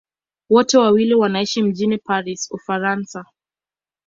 Wote wawili wanaishi mjini Paris, Ufaransa.